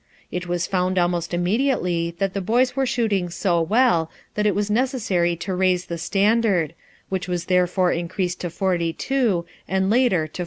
It was found almost immediately that the boys were shooting so well that it was necessary to raise the standard, which was therefore increased to 42 and later to 43.